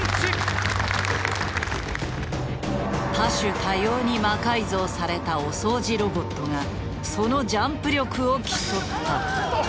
多種多様に魔改造されたお掃除ロボットがそのジャンプ力を競った。